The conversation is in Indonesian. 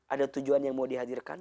ada tujuan yang mau dihadirkan